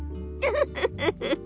フフフフフフ。